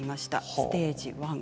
ステージ１。